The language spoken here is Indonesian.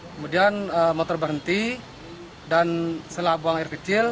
kemudian motor berhenti dan setelah buang air kecil